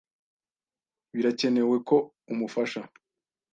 Birakenewe ko umufasha.